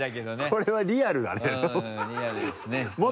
これはリアルだね